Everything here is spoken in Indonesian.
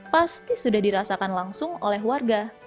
pasti sudah dirasakan langsung oleh warga